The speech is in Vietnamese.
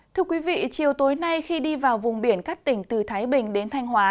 thưa quý vị chiều tối nay khi đi vào vùng biển các tỉnh từ thái bình đến thanh hóa